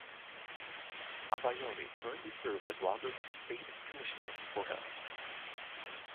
Abayomi currently serves as Lagos State commissioner for health.